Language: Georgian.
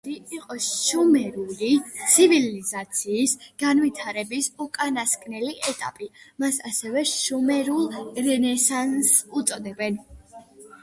ეს პერიოდი იყო შუმერული ცივილიზაციის განვითარების უკანასკნელი ეტაპი, მას ასევე შუმერულ რენესანსს უწოდებენ.